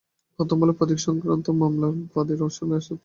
প্রথম আলো প্রতীক সংক্রান্ত মামলার বাদী রওশন এরশাদ।